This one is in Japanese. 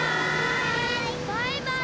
バイバイ！